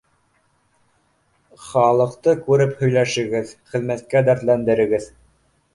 Ха лыҡты күреп һөйләшегеҙ, хеҙмәткә дәртләндерегеҙ